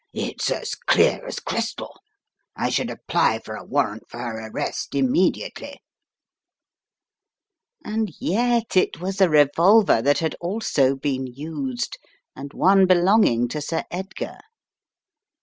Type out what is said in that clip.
"It's as clear as crystal. I should apply for a warrant for her arrest immediately." "And yet, it was a revolver that had also been used, and one belonging to Sir Edgar.